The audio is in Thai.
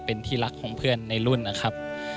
เป็นที่รักของเพื่อนในรุ่นนะครับ